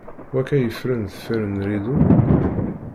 Wakka yeffren deffir n rridu?